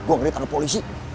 gua ngeri taruh polisi